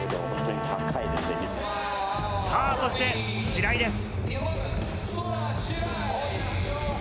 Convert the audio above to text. そして白井です。